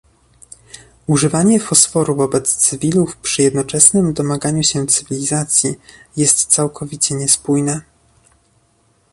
Używanie fosforu wobec cywilów przy jednoczesnym domaganiu się cywilizacji jest całkowicie niespójne